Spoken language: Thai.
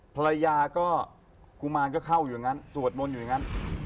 ภรรยาก็กุมารก็เข้าอยู่อย่างนั้นสวดมนต์อยู่อย่างนั้น